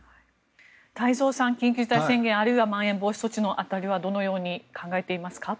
太蔵さん緊急事態宣言あるいはまん延防止措置の辺りはどのように考えていますか？